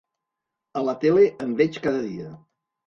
A la tele en veig cada dia.